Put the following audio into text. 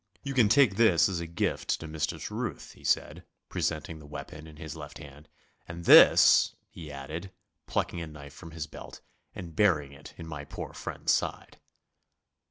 'You can take this as a gift to Mistress Ruth,' he said, presenting the weapon in his left hand, 'and this!' he added, plucking a knife from his belt and burying it in my poor friend's side.